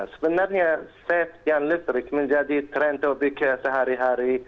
sebenarnya safe yang listrik menjadi trend to be care sehari hari